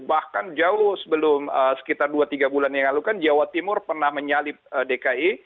bahkan jauh sebelum sekitar dua tiga bulan yang lalu kan jawa timur pernah menyalip dki